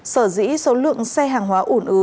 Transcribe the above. sở dĩ số lượng xe hàng hóa ủn ứ